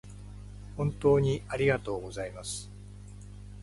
本当にありがとうございます